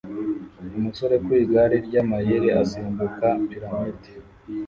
Umusore ku igare ryamayeri asimbuka piramide